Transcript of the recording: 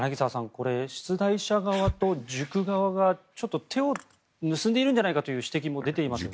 これ、出題者側と塾側が手を結んでいるんじゃないかという指摘も出ていますね。